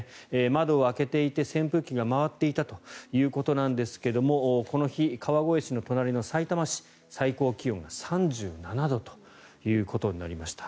窓を開けていて、扇風機が回っていたということなんですがこの日、川越市の隣のさいたま市最高気温が３７度となりました。